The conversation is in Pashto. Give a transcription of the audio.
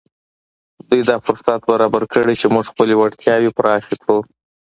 دوی دا فرصت برابر کړی چې موږ خپلې وړتياوې پراخې کړو.